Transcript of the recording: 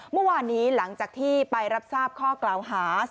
เมื่อวานนี้หลังจากที่ไปรับทราบข้อกล่าวหา